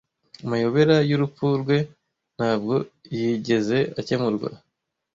Amayobera y'urupfu rwe ntabwo yigeze akemurwa.